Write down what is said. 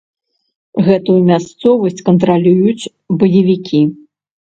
Гэтую мясцовасць кантралююць баевікі.